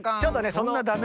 そんなダメ？